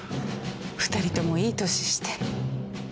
２人ともいい年して。